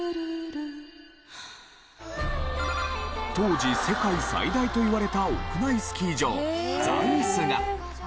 当時世界最大といわれた屋内スキー場ＳＳＡＷＳが。